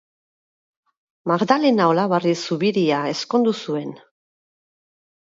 Magdalena Olabarri Zubiria ezkondu zuen.